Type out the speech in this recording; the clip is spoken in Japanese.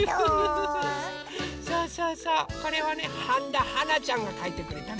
そうそうそうこれはねはんだはなちゃんがかいてくれたの。